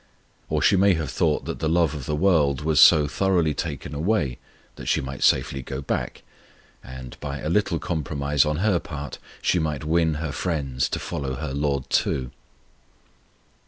Or she may have thought that the love of the world was so thoroughly taken away that she might safely go back, and, by a little compromise on her part, she might win her friends to follow her LORD too.